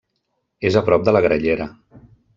És a prop de la Grallera.